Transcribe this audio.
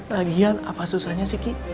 lagian apa susahnya sih ki